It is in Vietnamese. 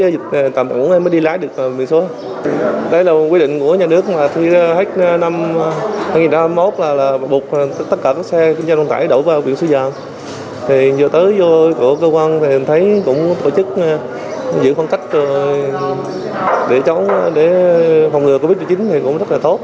để phòng ngừa covid một mươi chín thì cũng rất là tốt